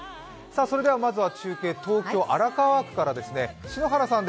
それではまずは中継、東京・荒川区から篠原さん。